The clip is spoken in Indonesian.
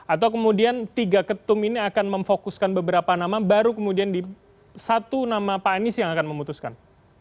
atau kemudian tiga ketum ini akan memfokuskan beberapa nama baru kemudian di satu nama pak anies yang akan memutuskan